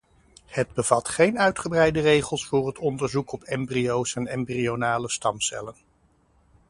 Het bevat geen uitgebreide regels voor het onderzoek op embryo’s en embryonale stamcellen.